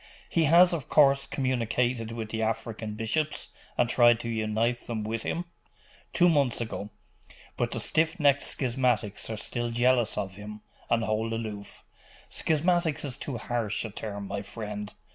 He has, of course, communicated with the African bishops, and tried to unite them with him?' 'Two months ago. But the stiff necked schismatics are still jealous of him, and hold aloof.' 'Schismatics is too harsh a term, my friend.